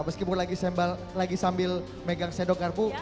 meskipun lagi sambil megang sedok karbu